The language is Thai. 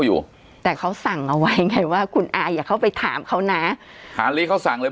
อยู่แต่เขาสั่งเอาไว้ไงว่าคุณอาอย่าเข้าไปถามเขานะหาลิเขาสั่งเลย